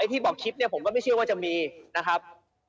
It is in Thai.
ที่บอกคลิปเนี่ยผมก็ไม่เชื่อว่าจะมีนะครับ